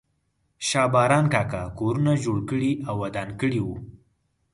شا باران کاکا کورونه جوړ کړي او ودان کړي وو.